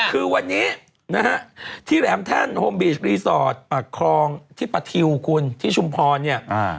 คือวันนี้นะฮะที่แหลมแท่นโฮมบีชรีสอร์ทปากคลองที่ปะทิวคุณที่ชุมพรเนี่ย